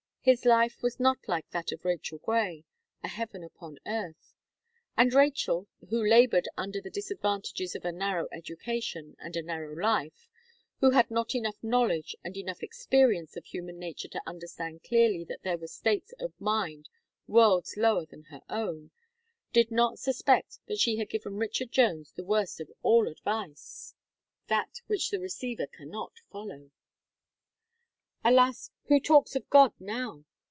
His life was not like that of Rachel Gray a heaven upon earth. And Rachel, who laboured under the disadvantages of a narrow education, and a narrow life, who had not enough knowledge and enough experience of human nature to understand clearly that there were states of mind worlds lower than her own, did not suspect that she had given Richard Jones the worst of all advice that which the receiver cannot follow. Alas! who talks of God now!